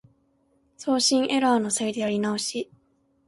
送信エラーのせいでやり直し